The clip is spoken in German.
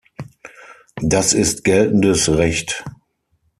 Das ist geltendes Recht.